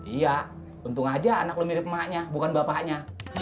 iya untung aja anak lu mirip emaknya bukan bapaknya